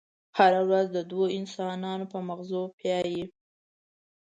هره ورځ د دوو انسانانو په ماغزو پايي.